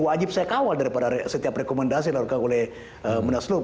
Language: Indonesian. wajib saya kawal daripada setiap rekomendasi yang dilakukan oleh munaslup